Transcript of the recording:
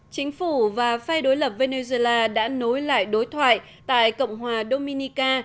chính phủ và phe đối lập venezuela đã nối lại đối thoại tại cộng hòa dominica